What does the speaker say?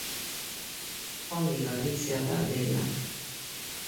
Ongi garbitzea da lehen lana.